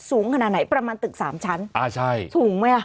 สูงขนาดไหนประมาณตึกสามชั้นอ่าใช่สูงไหมอ่ะ